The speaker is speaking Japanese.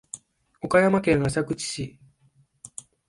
岡山県浅口市